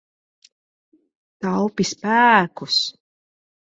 Taupi spēkus.